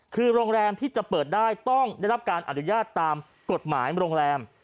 คือโรงแรมที่จะเปิดได้ต้องได้รับการอนุญาตตามกฎหมายโรงแรม